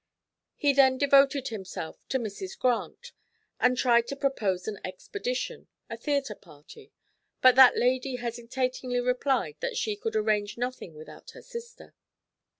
He then devoted himself to Mrs. Grant, and tried to propose an expedition, a theatre party, but that lady hesitatingly replied that she could arrange nothing without her sister.